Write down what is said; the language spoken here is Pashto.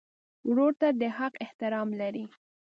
ورور ته د حق احترام لرې.